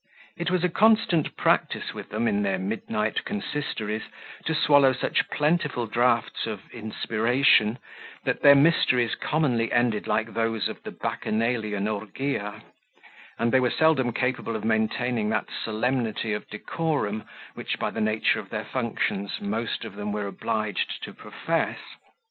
It was a constant practice with them, in their midnight consistories, to swallow such plentiful draughts of inspiration, that their mysteries commonly ended like those of the Bacchanalian orgia; and they were seldom capable of maintaining that solemnity of decorum which, by the nature of their functions, most of them were obliged to profess.